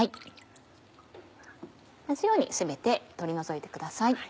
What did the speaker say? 同じように全て取り除いてください。